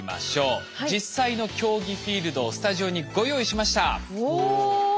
実際の競技フィールドをスタジオにご用意しました。